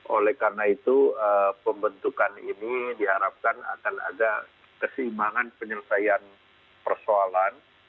oleh karena itu pembentukan ini diharapkan akan ada keseimbangan penyelesaian persoalan